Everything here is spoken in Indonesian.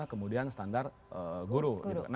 kemudian standar guru